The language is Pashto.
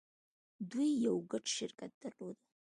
دوی يو ګډ شرکت درلود.